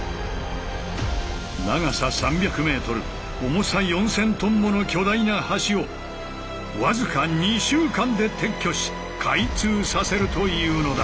長さ３００ｍ重さ４，０００ｔもの巨大な橋を僅か２週間で撤去し開通させるというのだ。